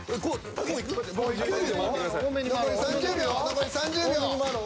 残り３０秒。